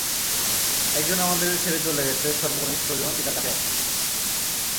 একজন আমাদের ছেড়ে চলে গেছে, সর্ব কনিষ্ঠজন পিতার কাছেই আছে।